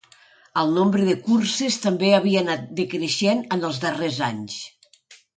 El nombre de curses també havia anat decreixent en els darrers anys.